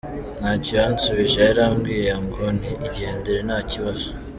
Ntacyo yansubije yarambwiye ngo igendere nta kibazo.